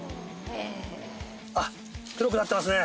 あっ黒くなってますね。